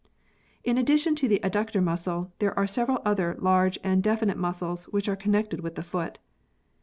In addition to the adductor muscle, there are several other large and definite muscles which are connected with the foot.